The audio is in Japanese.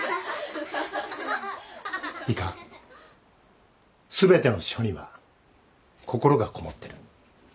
いいか全ての書には心がこもってる。